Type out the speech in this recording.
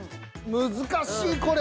難しいこれ。